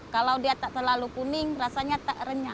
kalau dia tak terlalu kuning rasanya tak renyah